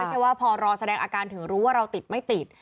ไม่ใช่ว่าพอรอแสดงอาการถึงรู้ว่าเราติดไม่ติด